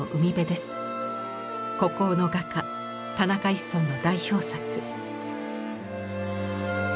孤高の画家田中一村の代表作。